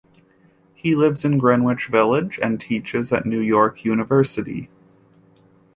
He lives in Greenwich Village and teaches at New York University.